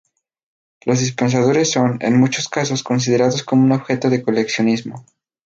Los dispensadores son, en muchos casos, considerados como un objeto de coleccionismo.